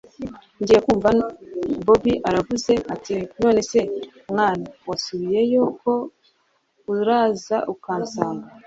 ngiye kumva numva bobi aravuze ati nonese mwana, wasubiyeyo ko uraza ukansanga